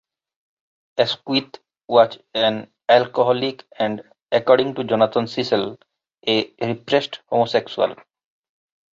Asquith was an alcoholic and, according to Jonathan Cecil, a repressed homosexual.